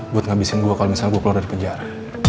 buat ngabisin gue kalau misalnya gue keluar dari penjara